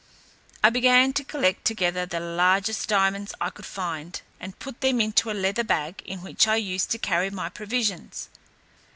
I began to collect together the largest diamonds I could find, and put them into the leather bag in which I used to carry my provisions.